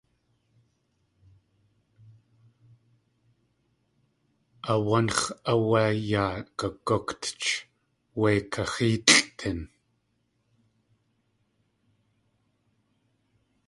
A wánx̲ áwé yaa gagútch wé kaxéelʼ tin.